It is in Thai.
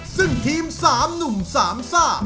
ซึ่งทีม๓หนุ่มสามซ่า